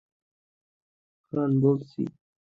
খান, বলছি।